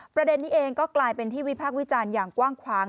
ประเด็นนี้เองก็กลายเป็นที่วิพากษ์วิจารณ์อย่างกว้างขวาง